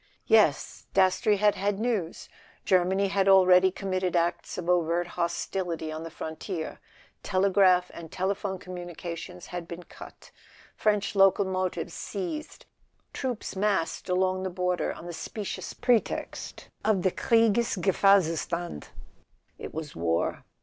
Yes: Dastrey had had news. Germany had already committed acts of overt hostility on the frontier: tele¬ graph and telephone communications had been cut, French locomotives seized, troops massed along the border on the specious pretext of the " Kriegsgefahr zustand" It was war.